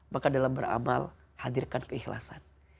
maka dalam beramal hadirkan keikhlasan